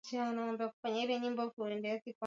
hakuweza kuongoza vyema vikao vya mabadiliko ya katiba